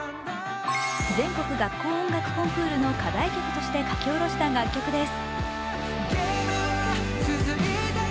全国学校音楽コンクールの課題曲として書き下ろした楽曲です。